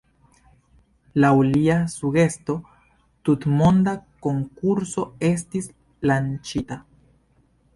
Laŭ lia sugesto, tutmonda konkurso estis lanĉita.